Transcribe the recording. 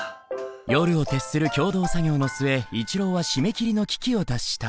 夜を徹する共同作業の末一郎は締め切りの危機を脱した。